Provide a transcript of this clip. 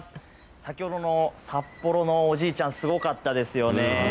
先ほどの札幌のおじいちゃん、すごかったですよね。